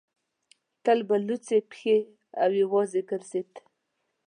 تل به لڅې پښې او یوازې ګرځېد.